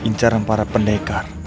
incaran para pendekar